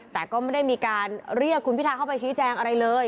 แต่ก็ไม่ได้มีการเรียกคุณพิทาเข้าไปชี้แจงอะไรเลย